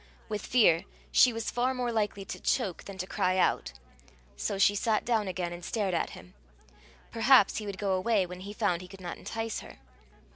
With fear, she was far more likely to choke than to cry out. So she sat down again and stared at him. Perhaps he would go away when he found he could not entice her.